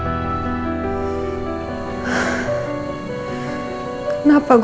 itu menyedihkan aku ramona